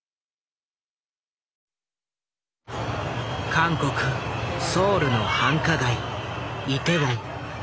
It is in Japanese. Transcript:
韓国・ソウルの繁華街イテウォン。